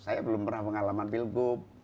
saya belum pernah pengalaman pilgub